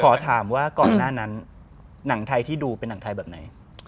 ขอถามว่าก่อนหน้านั้นหนังไทยที่ดูเป็นหนังไทยแบบไหน